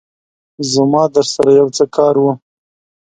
زما درسره يو څه کار وو